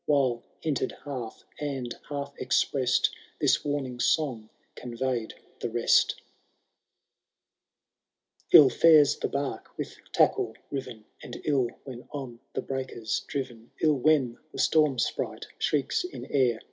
While hinted half, and half exprest. This warning song conveyed the rest ions. 1. lU &reB the bark with tackle riven. And ill when on the breakers driven,^— 111 when t^e storm sprite shrieks in air.